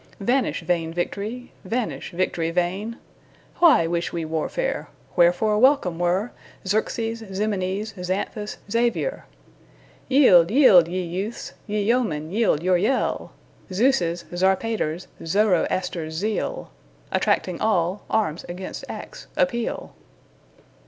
Vanish vain victory! vanish, victory vain! Why wish we warfare? Wherefore welcome were Xerxes, Ximenes, Xanthus, Xavier? Yield, yield, ye youths! ye yeomen, yield your yell! Zeus', Zarpater's, Zoroaster's zeal, Attracting all, arms against acts appeal!